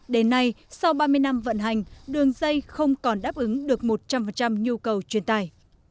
đến nay sau ba mươi năm vận hành đường dây không còn đáp ứng được một trăm linh nhu cầu truyền tải